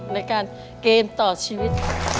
ในการเกมต่อชีวิต